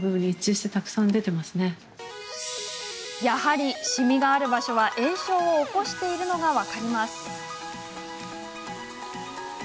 やはりシミがある場所は炎症を起こしているのが分かります。